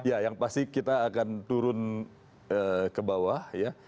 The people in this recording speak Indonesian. ya yang pasti kita akan turun ke bawah ya